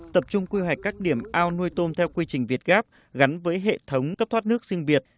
tập trung quy hoạch các điểm ao nuôi tôm theo quy trình việt gáp gắn với hệ thống cấp thoát nước sinh việt